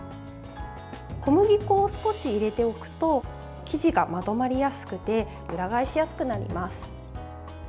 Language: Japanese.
小麦粉を少し入れておくと生地がまとまりやすくて裏返しやすくなります。